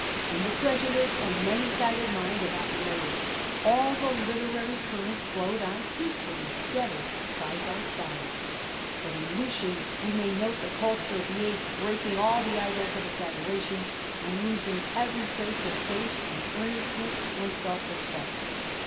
In the credulous and manysided mind of Apuleius all the literary currents flowed on peacefully together side by side ; but in Lucian we may note the culture of the age breaking all the idols of its adoration and losing every trace of faith and earnestness and self respect.